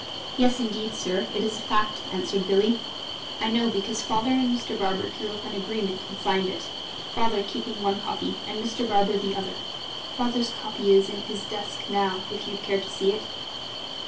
"Yes, indeed, sir, it is a fact," answered Billy. "I know, because Father and Mr Barber drew up an agreement and signed it, Father keeping one copy, and Mr Barber the other. Father's copy is in his desk now, if you'd care to see it."